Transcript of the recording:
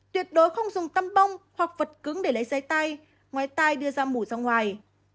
tuyệt đối không dùng tăm bông hoặc vật cứng để lấy dây tay ngoài tai đưa ra mũ ra ngoài